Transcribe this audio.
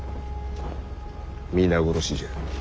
皆殺しじゃ。